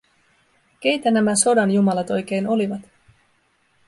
Keitä nämä sodanjumalat oikein olivat?